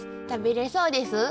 食べれそうです？